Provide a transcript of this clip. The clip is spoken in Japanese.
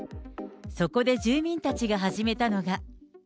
そこで住民たちが始めたのが。